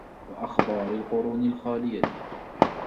وَأَخْبَارِ الْقُرُونِ الْخَالِيَةِ